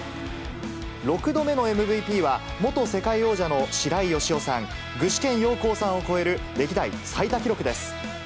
６度目のＭＶＰは、元世界王者の白井義男さん、具志堅用高さんを超える、歴代最多記録です。